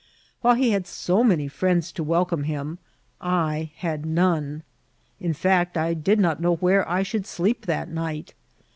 While he had so many friends to welcome .him, I had none. In £act, I did not know where I should sleep that night.